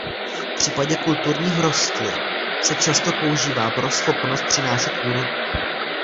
V případě kulturních rostlin se často používá pro schopnost přinášet úrodu.